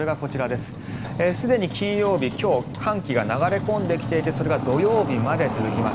すでに金曜日、今日寒気が流れ込んできていてそれが土曜日まで続きます。